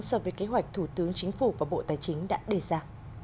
so với kế hoạch thủ tướng chính phủ và bộ tài chính đã đề ra